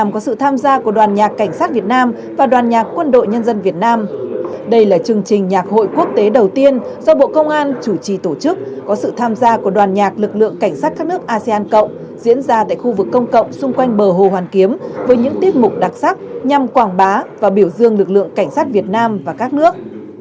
chương trình nhạc hội quốc tế đầu tiên do bộ công an chủ trì tổ chức có sự tham gia của đoàn nhạc lực lượng cảnh sát các nước asean cộng diễn ra tại khu vực công cộng xung quanh bờ hồ hoàn kiếm với những tiết mục đặc sắc nhằm quảng bá và biểu dương lực lượng cảnh sát việt nam và các nước